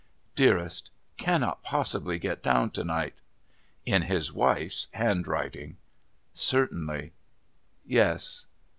"Dearest...cannot possibly get down tonight...." In his wife's handwriting. Certainly. Yes.